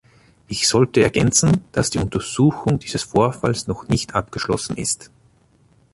Ich sollte ergänzen, dass die Untersuchung dieses Vorfalls noch nicht abgeschlossen ist.